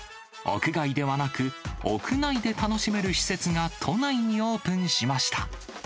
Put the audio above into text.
屋外ではなく、屋内で楽しめる施設が都内にオープンしました。